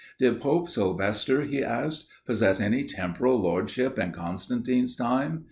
Did Pope Sylvester, he asks, possess any temporal lordship in Constantine's time?